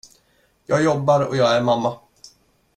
Jag jobbar och jag är mamma.